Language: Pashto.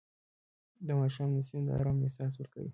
د ماښام نسیم د آرام احساس ورکوي